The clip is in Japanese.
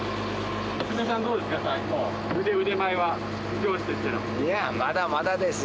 娘さんどうですか？